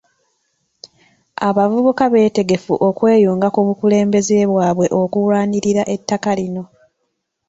Abavubuka beetegefu okweyunga ku bakulembeze baabwe okulwanirira ettaka lino.